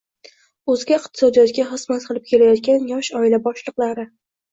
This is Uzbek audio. o‘zga iqtisodiyotga xizmat qilib kelayotgan yosh oila boshliqlari...